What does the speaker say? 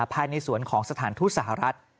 ภายในสวนของสถานทูตสหรัฐ